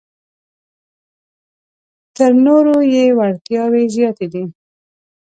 تر نورو یې وړتیاوې زیاتې دي.